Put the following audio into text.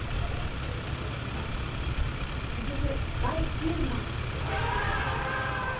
続く第９位は。